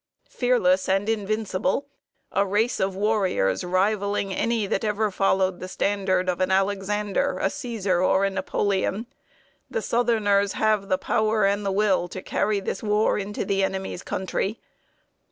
Fearless and invincible, a race of warriors rivaling any that ever followed the standard of an Alexander, a Cæsar, or a Napoleon, the southerners have the power and the will to carry this war into the enemy's country.